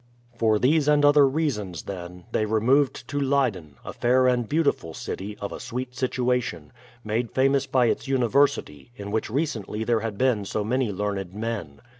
For these and other reasons, then, they removed to Leyden, a fair and beautiful city, of a sweet situation, made famous by its university, in which recently there had been so many learned men.